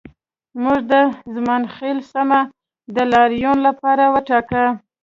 موږ د زمانخیل سیمه د لاریون لپاره وټاکه